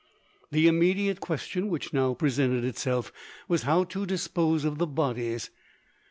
The immediate question which next presented itself was how to dispose of the bodies.